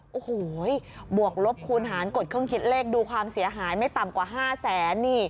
โอ้โหบวกลบคูณหารกดเครื่องคิดเลขดูความเสียหายไม่ต่ำกว่า๕แสนนี่